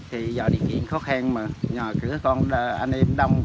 thì giờ đi kiện khó khăn mà nhờ các con anh em đông